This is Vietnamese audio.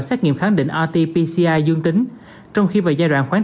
xét nghiệm kháng định rt pci dương tính trong khi vào giai đoạn khoảng